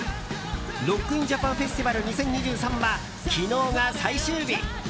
ＲＯＣＫＩＮＪＡＰＡＮＦＥＳＴＩＶＡＬ２０２３は昨日が最終日。